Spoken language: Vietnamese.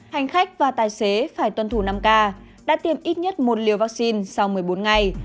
hành khách và tài xế phải tuân thủ năm k đã tiêm ít nhất một liều vaccine sau một mươi bốn ngày